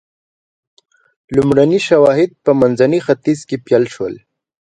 لومړني شواهد په منځني ختیځ کې پیل شول.